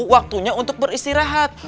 waktunya untuk beristirahat